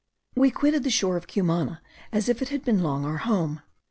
We quitted the shore of Cumana as if it had long been our home.